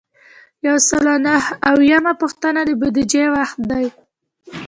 یو سل او نهه اویایمه پوښتنه د بودیجې وخت دی.